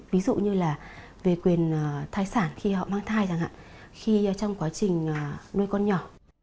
ví dụ như là về quyền thai sản khi họ mang thai chẳng hạn khi trong quá trình nuôi con nhỏ